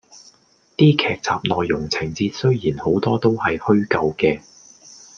啲劇集內容情節雖然好多都係虛構嘅